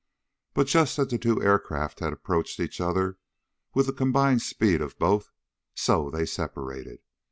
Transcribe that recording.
But just as the two aircraft had approached each other with the combined speed of both, so they separated.